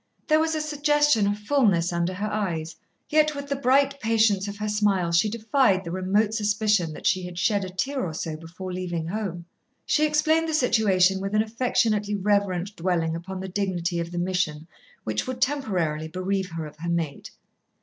There was a suggestion of fulness under her eyes. Yet with the bright patience of her smile she defied the remote suspicion that she had shed a tear or so before leaving home. She explained the situation with an affectionally reverent dwelling upon the dignity of the mission which would temporarily bereave her of her mate.